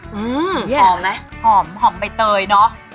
หอมไหมหอมหอมใบเตยเนอะ